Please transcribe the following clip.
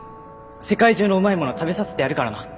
世界中のうまいもの食べさせてやるからな！